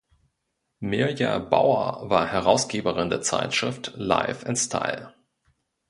Mirja Bauer war Herausgeberin der Zeitschrift Life&Style.